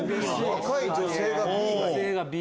若い女性がＢ！